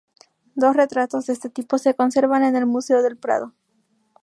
Dos retratos de este tipo se conservan en el Museo del Prado.